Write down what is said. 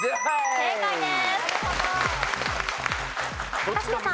正解です。